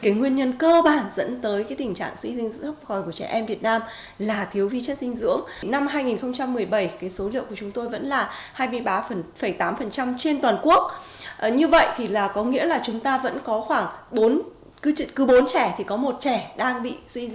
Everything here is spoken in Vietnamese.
nguyên nhân cơ bản dẫn tới tình trạng suy dinh dưỡng hấp hồi của trẻ em việt nam là thiếu vi chất dinh dưỡng